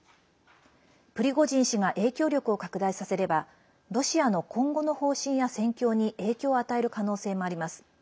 プリゴジン氏が影響力を拡大させればロシアの今後の方針や戦況に影響を与える可能性もあります。